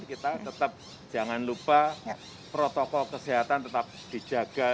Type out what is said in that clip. kita tetap jangan lupa protokol kesehatan tetap dijaga